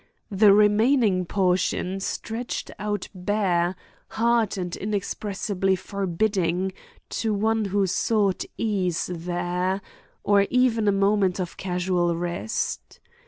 The remaining portion stretched out bare, hard and inexpressibly forbidding to one who sought ease there, or even a moment of casual rest.